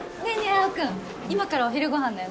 青君今からお昼ご飯だよね？